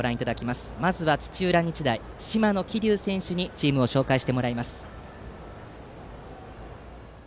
まずは、土浦日大島野希隆選手にチームを紹介してもらいます。